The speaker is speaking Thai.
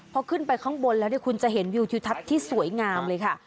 พอขึ้นไปข้างบนแล้วคุณจะเห็นวิวทิวทัศน์ที่สวยงามเลยค่ะ